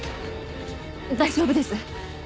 大丈夫です。